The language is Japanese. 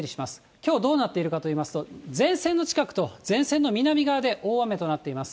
きょうどうなっているかといいますと、前線の近くと前線の南側で大雨となっています。